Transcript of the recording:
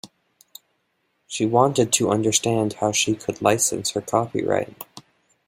She wanted to understand how she could license her copyright.